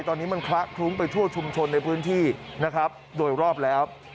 ตอนนี้มันคละคลุ้งไปทั่วชุมชนในพื้นที่นะครับโดยรอบแล้ว